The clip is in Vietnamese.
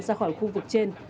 ra khỏi khu vực trên